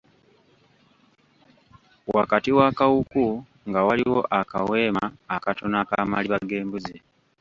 Wakati w'akawuku nga waliwo akaweema akatono ak'amaliba g'embuzi.